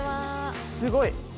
すごい！